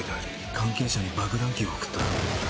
関係者に爆弾キーを送った。